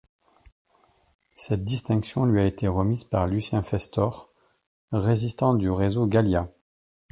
Cette distinction lui a été remise par Lucien Festor, résistant du réseau Gallia.